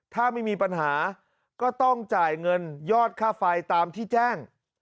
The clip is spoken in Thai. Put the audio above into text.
ถ้าไม่มีปัญหาก็ต้องจ่ายเงินยอดค่าไฟตามที่แจ้ง